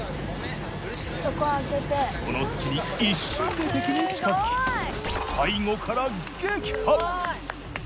その隙に一瞬で敵に近づき背後から撃破。